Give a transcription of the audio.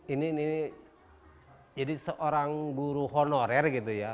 ini jadi seorang guru honorer gitu ya